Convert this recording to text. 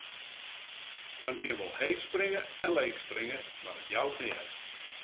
Men kin wol heech springe en leech springe, mar it jout neat.